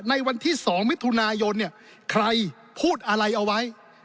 ในวันที่๒มิถุนายนเนี่ยใครพูดอะไรเอาไว้